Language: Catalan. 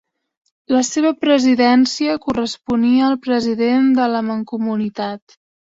La seva presidència corresponia al president de la Mancomunitat.